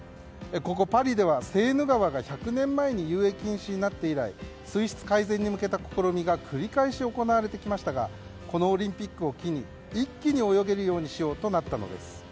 パリではセーヌ川が１００年前に遊泳禁止になって以来水質改善に向けた試みが繰り返し行われてきましたがこのオリンピックを機に一気に泳げるようにしようとなったのです。